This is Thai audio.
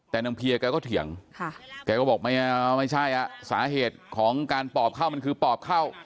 แต่นางเพียแกก็เถียงแกก็บอกไม่ใช่สาเหตุของการปอบเข้ามันคือปอบเข้า